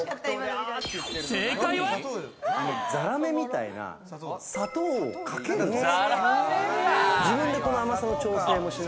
ザラメみたいな砂糖をかけるんです。